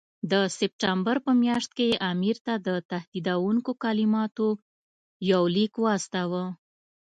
د سپټمبر په میاشت کې یې امیر ته د تهدیدوونکو کلماتو یو لیک واستاوه.